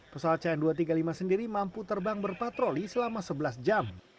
pesawat cn dua ratus tiga puluh lima sendiri mampu terbang berpatroli selama sebelas jam